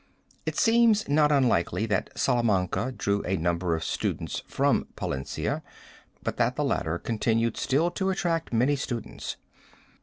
It seems not unlikely that Salamanca drew a number of students from Palencia but that the latter continued still to attract many students.